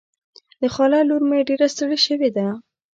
د خاله لور مې ډېره ستړې شوې ده.